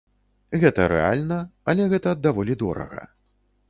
Гэта рэальна, але гэта даволі дорага.